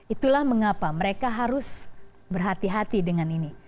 itulah mengapa mereka harus berhati hati dengan ini